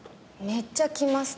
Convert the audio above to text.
めっちゃ来ます。